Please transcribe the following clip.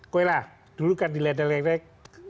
kau lihat lah dulu kan diletak letak